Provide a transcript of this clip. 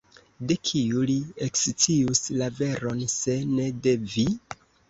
De kiu li ekscius la veron, se ne de vi?